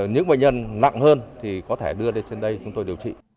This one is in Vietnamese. những bệnh nhân nặng hơn thì có thể đưa lên trên đây chúng tôi điều trị